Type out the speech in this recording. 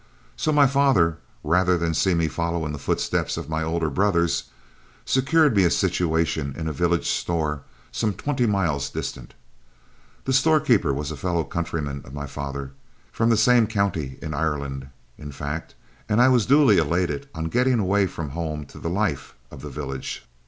So my father, rather than see me follow in the footsteps of my older brothers, secured me a situation in a village store some twenty miles distant. The storekeeper was a fellow countryman of my father from the same county in Ireland, in fact and I was duly elated on getting away from home to the life of the village.